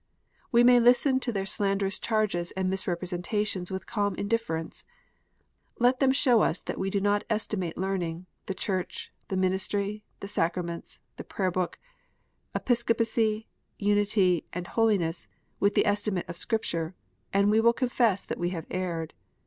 We may listen to their slanderous charges and misrepresentations with calm in difference, Let them show us that we do not estimate learning, the Church, the Ministry, the Sacraments, the Prayer book, Episcopacy, unity, and holiness, with the estimate of Scripture, and we will confess that we have erred.